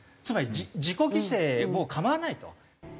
つまり自己犠牲も構わないと。